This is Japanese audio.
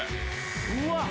うわ！